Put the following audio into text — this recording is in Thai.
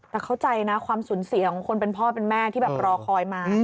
แต่เข้าใจนะความสูญเสียของคนเป็นพ่อเป็นแม่ที่แบบรอคอยมา